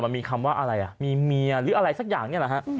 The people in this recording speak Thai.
มันมีคำว่าอะไรอ่ะมีเมียหรืออะไรสักอย่างนี้แหละฮะ